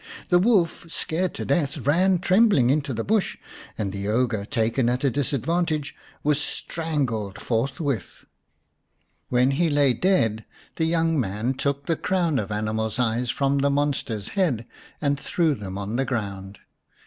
The wolf, scared to death, ran trembling into the bush, and the ogre, taken at a disadvantage, was strangled forthwith. When he lay dead the young man took the crown of animals' eyes from the monster's head and threw them on the ground.